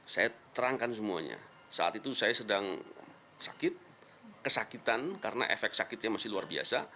saya terangkan semuanya saat itu saya sedang sakit kesakitan karena efek sakitnya masih luar biasa